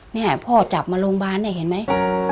เนี่ยพ่อจับมาโรงพยาบาลเนี่ยเห็นไหม